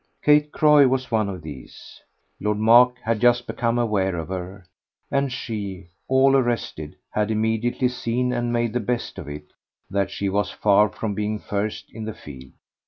Kate Croy was one of these; Lord Mark had just become aware of her, and she, all arrested, had immediately seen, and made the best of it, that she was far from being first in the field.